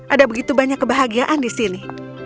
ada begitu banyak kebahagiaan di sini